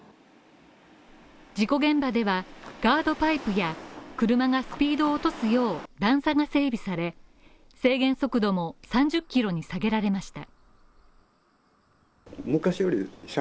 事故現場では、ガードパイプや車がスピードを落とすよう段差が整備され、制限速度も３０キロに下げられました。